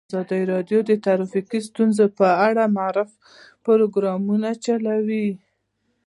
ازادي راډیو د ټرافیکي ستونزې په اړه د معارفې پروګرامونه چلولي.